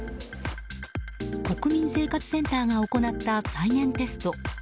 国民生活センターが行った再現テスト。